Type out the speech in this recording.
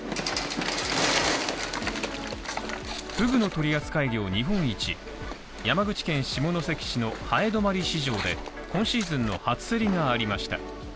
ふぐの取扱量日本一、山口県下関市の南風泊市場で今シーズンの初競りがありました。